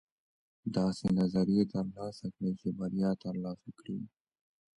داسې نظریې ترلاسه کړئ چې بریا ترلاسه کړئ.